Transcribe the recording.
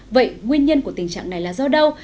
vậy nguyên nhân của tình trạng này là do đâu